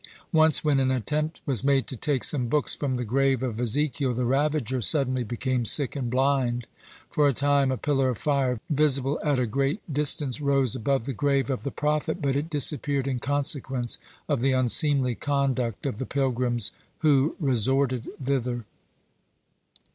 Once when an attempt was made to take some books from the grave of Ezekiel, the ravager suddenly became sick and blind. For a time a pillar of fire, visible at a great distance, rose above the grave of the prophet, but it disappeared in consequence of the unseemly conduct of the pilgrims who resorted thither.